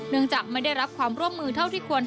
จากไม่ได้รับความร่วมมือเท่าที่ควร